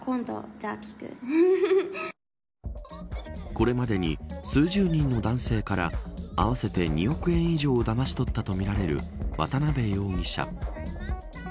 これまでに、数十人の男性から合わせて２億円以上をだまし取ったとみられる渡辺容疑者。